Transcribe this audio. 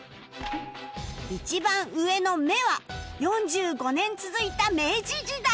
一番上の「め」は４５年続いた明治時代